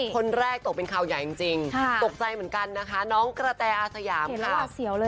คนแรกตกเป็นข่าวใหญ่จริงจริงค่ะตกใจเหมือนกันนะคะน้องกระแตรอาสยามค่ะเห็นแล้วหาเสียวเลยอ่ะ